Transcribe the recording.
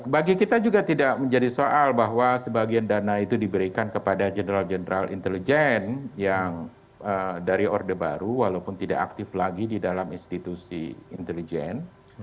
bagi kita juga tidak menjadi soal bahwa sebagian dana itu diberikan kepada general general intelijen yang dari orde baru walaupun tidak aktif lagi di dalam institusi intelijen